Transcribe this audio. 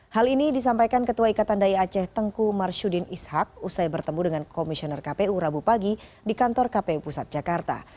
hal ini disampaikan ketua ikatan dai aceh tengku marsyudin ishak usai bertemu dengan komisioner kpu rabu pagi di kantor kpu pusat jakarta